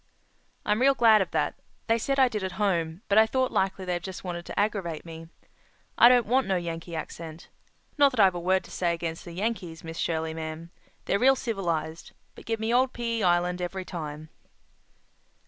"I'm real glad of that. They said I did at home, but I thought likely they just wanted to aggravate me. I don't want no Yankee accent. Not that I've a word to say against the Yankees, Miss Shirley, ma'am. They're real civilized. But give me old P.E. Island every time."